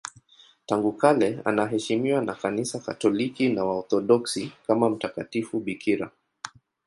Tangu kale anaheshimiwa na Kanisa Katoliki na Waorthodoksi kama mtakatifu bikira.